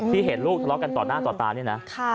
ที่เห็นลูกทำร้อกกันต่อหน้าต่อตาเนี่ยนะค่ะ